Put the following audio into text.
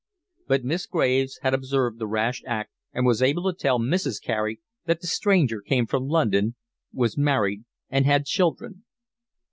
But Miss Graves had observed the rash act and was able to tell Mrs. Carey that the stranger came from London, was married and had children.